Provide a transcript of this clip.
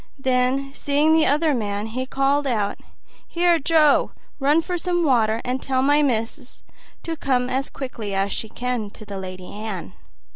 Then, seeing the other man, he called out, "Here, Joe, run for some water, and tell my missis to come as quick as she can to the Lady Anne."